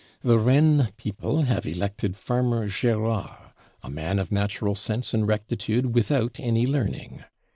The Rennes people have elected farmer Gérard, "a man of natural sense and rectitude without any learning."